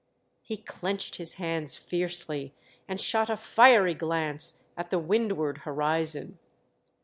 He clenched his hands fiercely, and shot a liery glance at the windward horizon.